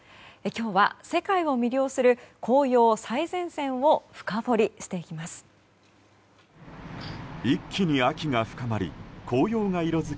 今日は世界を魅了する紅葉最前線を深掘りしていきます。